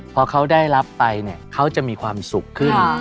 พอเขาได้รับไปเนี่ยเขาจะมีความสุขขึ้น